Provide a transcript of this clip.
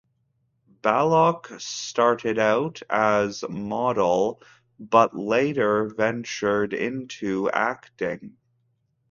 Baloch started out as model but later ventured into acting.